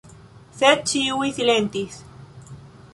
Sed ĉiuj silentis.